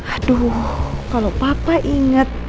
aduh kalau papa ingat